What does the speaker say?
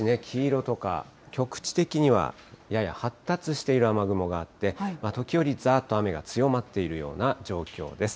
少しね、黄色とか、局地的にはやや発達している雨雲があって、時折、ざーっと雨が強まっているような状況です。